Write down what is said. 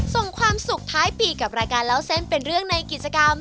ส่งความสุขท้ายปีกับรายการเล่าเส้นเป็นเรื่องในกิจกรรม